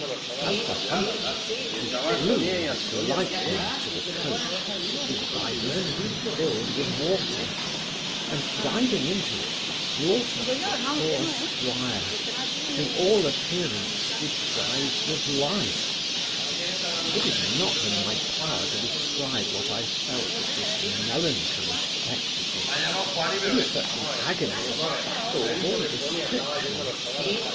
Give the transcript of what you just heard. As for Humphry, he flew like lightning, to the coach, that was by this time filled with water, and, diving into it, brought up the poor 'squire, to all appearance, deprived of life It is not in my power to describe what I felt at this melancholy spectacle it was such an agony as baffles all description!